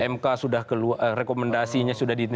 mk sudah keluar rekomendasinya sudah ditentu